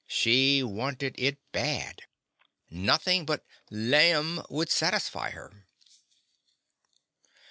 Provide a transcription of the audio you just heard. She wanted it bad. Nothin' but "laim*' would satisfy her.